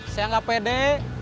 saya gak pede